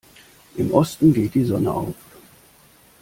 Im Osten geht die Sonne auf.